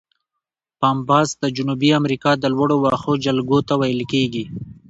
پامپاس د جنوبي امریکا د لوړو وښو جلګو ته ویل کیږي.